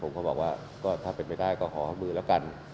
ผมก็บอกว่าก็ถ้าเป็นไปได้ก็ขอมือแล้วกัน